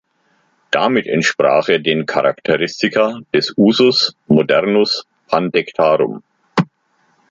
Damit entsprach er den Charakteristika des usus modernus pandectarum.